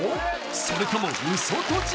それともウソ栃木？